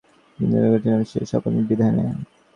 আর যা কিছু ঘটছে বা ঘটবে, সে-সকল তাঁরই বিধানে।